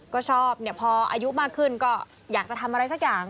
ก็ชอบเนี่ยพออายุมากขึ้นก็อยากจะทำอะไรสักอย่าง